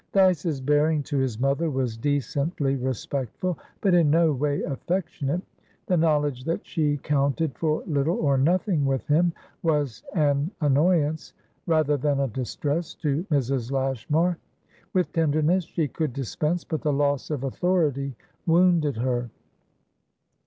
Dyce's bearing to his mother was decently respectful, but in no way affectionate. The knowledge that she counted for little or nothing with him was an annoyance, rather than a distress, to Mrs. Lashmar. With tenderness she could dispense, but the loss of authority wounded her.